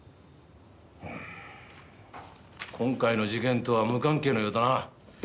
うーん今回の事件とは無関係のようだな。